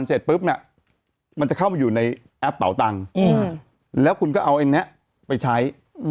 เสร็จปุ๊บเนี่ยมันจะเข้ามาอยู่ในแอปเป่าตังค์แล้วคุณก็เอาอันนี้ไปใช้